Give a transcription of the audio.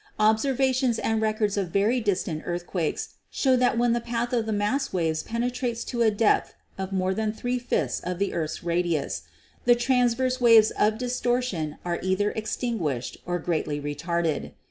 Observations and records of very distant earth quakes show that when the path of the mass waves pene trates to a depth of more than three fifths of the earth's radius, the transverse waves of distortion are either ex tinguished or greatly retarded.